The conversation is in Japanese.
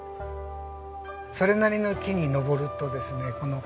それなりの木に登るとですね